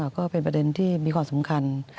ก็เป็นประเด็นที่มีความสำคัญ